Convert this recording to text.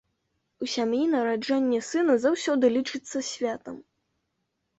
У сям'і нараджэнне сына заўсёды лічыцца святам.